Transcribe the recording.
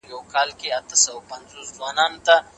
بلخاب ولسوالۍ د خپلو پټو طبیعي زېرمو او غرونو له امله مشهوره ده.